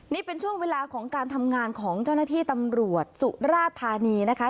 นี่เป็นช่วงเวลาของการทำงานของเจ้าหน้าที่ตำรวจสุราธานีนะคะ